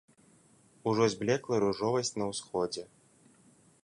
Ужо зблекла ружовасць на ўсходзе.